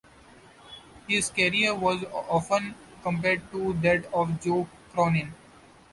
His career was often compared to that of Joe Cronin.